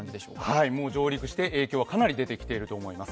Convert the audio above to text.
はい、もう上陸して影響はかなり出てきていると思います。